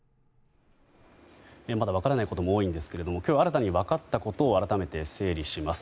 まだ分からないことも多いんですけれども今日、新たに分かったことを改めて整理します。